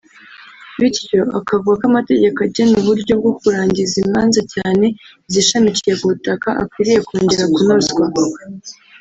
bityo akavuga ko amategeko agena uburyo bwo kurangiza imanza cyane izishamikiye ku butaka akwiriye kongera kunozwa